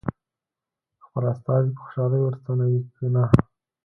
خپل استازی په خوشالۍ ور ستنوي که نه.